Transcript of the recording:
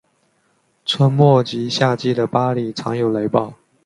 春末及夏季的巴里常有雷暴。